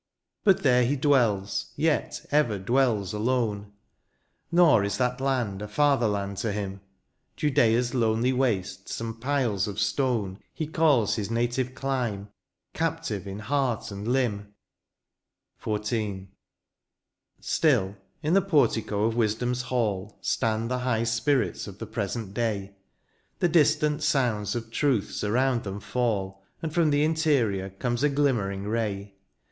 But there he dwells, yet ever dwells alone ; Nor is that land a father land to him ; Judea's lonely wastes, and piles of stone. He calls his native clime 5 — captive in heart and limb! 138 THE FUTURE. XIV. Still, in the portico of wisdom's hall/ Stand the high spirits of the present day ; The distant sounds of truths around them £edl. And from the interior comes a glimmering ray.